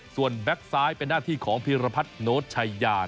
ส่วนแบ็คซ้ายเป็นหน้าที่ของพีรพัฒน์โน้ตชัยยา